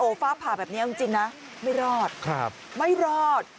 ฟ้าผ่าแบบนี้เอาจริงนะไม่รอดครับไม่รอด